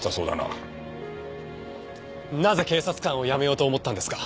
なぜ警察官を辞めようと思ったんですか？